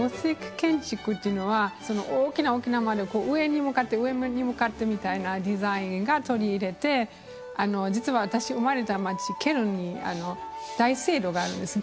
大きな大きな上に向かって上に向かってみたいなデザインを取り入れて実は私生まれた街ケルンに大聖堂があるんです。